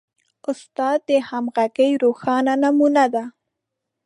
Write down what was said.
استاد د همغږۍ روښانه نمونه ده.